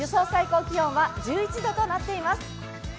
最高気温は１１度となっています。